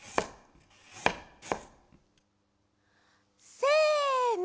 せの！